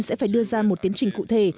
sẽ phải đưa ra một tiến trình cụ thể